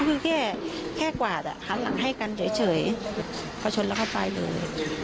ใช่เขาคือแค่กวาดอ่ะณักษ์ให้กันเฉยเขาชนแล้วเขาไปเลย